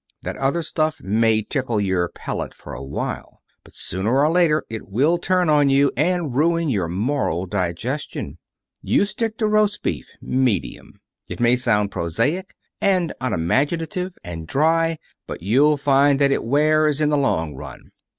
That other stuff may tickle your palate for a while, but sooner or later it will turn on you, and ruin your moral digestion. You stick to roast beef, medium. It may sound prosaic, and unimaginative and dry, but you'll find that it wears in the long run.